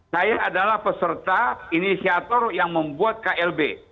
saya adalah peserta inisiator yang membuat klb